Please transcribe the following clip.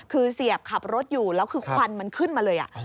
คือเสียบขับรถอยู่แล้วคือควันมันขึ้นมาเลย